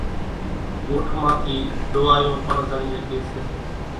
ڳوٺ مان ٿِي ۮووايون پڻ زڙِي ۿڳيَ سي۔